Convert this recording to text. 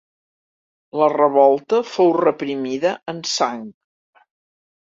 La revolta fou reprimida en sang.